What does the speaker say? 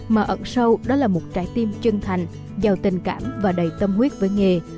mà ẩn sâu đó là một trái tim chân thành giàu tình cảm và đầy tâm huyết với nghề